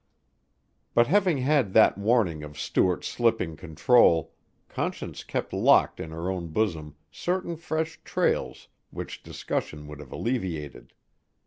But having had that warning of Stuart's slipping control, Conscience kept locked in her own bosom certain fresh trials which discussion would have alleviated.